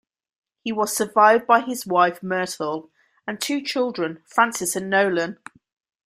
He was survived by his wife, Myrtle, and two children, Frances and Nolan.